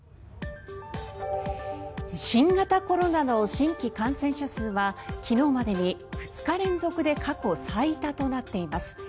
新型コロナの新規感染者数は昨日までに２日連続で過去最多となっています。